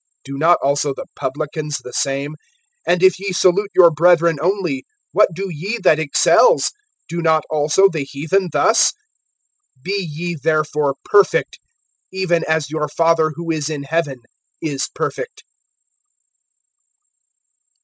Do not also the publicans the same? (47)And if ye salute your brethren only, what do ye that excels? Do not also the heathen thus? (48)Be ye therefore perfect, even as your Father who is in heaven is perfect.